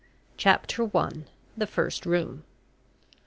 CHAPTER ONE. THE FIRST ROOM.